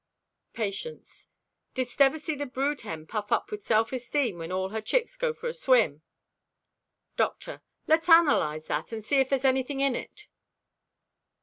Patience.—"Did'st ever see the brood hen puff up with self esteem when all her chicks go for a swim?" Doctor.—"Let's analyze that and see if there's anything in it."